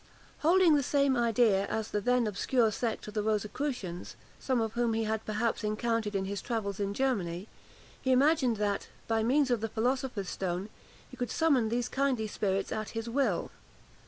Holding the same idea as the then obscure sect of the Rosicrucians, some of whom he had perhaps encountered in his travels in Germany, he imagined that, by means of the philosopher's stone, he could summon these kindly spirits at his will.